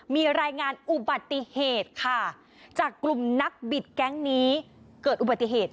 มีรายงานอุบัติเหตุค่ะจากกลุ่มนักบิดแก๊งนี้เกิดอุบัติเหตุ